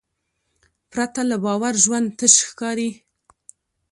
پرته له باور ژوند تش ښکاري.